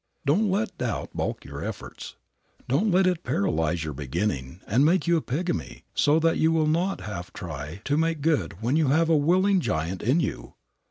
Don't let doubt balk your efforts. Don't let it paralyze your beginning and make you a pigmy so that you will not half try to make good when you have a waiting giant in you.